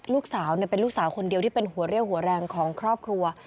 ลูกสาวเป็นลูกสาวคนเดียวที่เป็นหัวเรี่ยวหัวแรงของครอบครัว